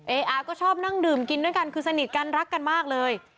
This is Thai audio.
อาก็ชอบนั่งดื่มกินด้วยกันคือสนิทกันรักกันมากเลย